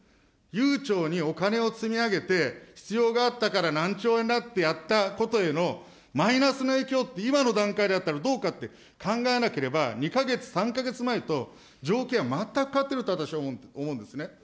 悠長にお金を積み上げて、必要があったから何兆円だってやったことへのマイナスの影響って、今の段階だったらどうかって考えなければ、２か月、３か月前と、条件は全く変わっていると私は思うんですね。